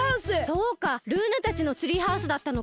そうかルーナたちのツリーハウスだったのか。